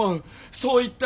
そう言った。